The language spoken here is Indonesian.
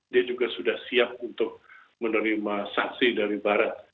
dia juga sudah siap untuk menerima sanksi dari barat